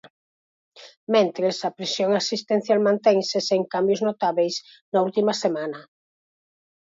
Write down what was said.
Mentres, a presión asistencial mantense sen cambios notábeis na última semana.